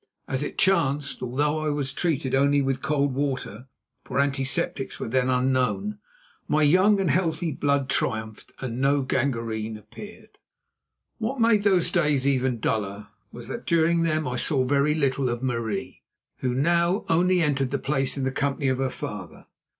As it chanced, although I was treated only with cold water, for antiseptics were then unknown, my young and healthy blood triumphed and no gangrene appeared. What made those days even duller was that during them I saw very little of Marie, who now only entered the place in the company of her father.